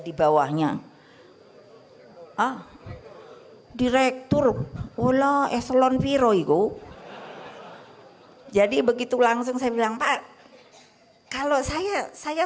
di bawahnya direktur wolo eselon viro itu jadi begitu langsung saya bilang pak kalau saya saya